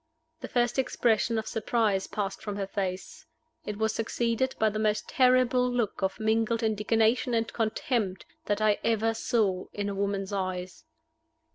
The first expression of surprise passed from her face. It was succeeded by the most terrible look of mingled indignation and contempt that I ever saw in a woman's eyes.